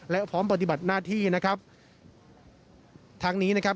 และพร้อมปฏิบัติหน้าที่นะครับทางนี้นะครับ